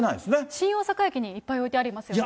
新大阪駅にいっぱい置いてありますよね。